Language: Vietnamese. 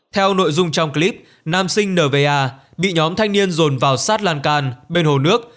theo nội dung trong clip nam sinh nva bị nhóm thanh niên dồn vào sát lan can bên hồ nước